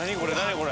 これ。